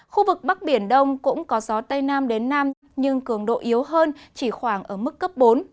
khu vực bắc biển đông cũng có gió tây nam đến nam nhưng cường độ yếu hơn chỉ khoảng ở mức cấp bốn